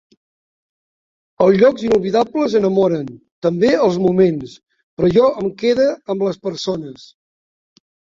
Els llocs inoblidables enamoren, també els moments, però jo em quede amb les persones.